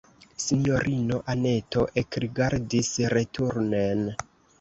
Sinjorino Anneto ekrigardis returnen.